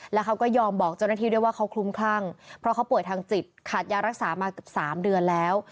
แล้วเขาก็ยอมบอกเจ้าหน้าที่ด้วยว่าเขาคลุ้มคลั่งเพราะเขาป่วยทางจิตขาดยารักษามาเกือบ๓เดือนแล้ว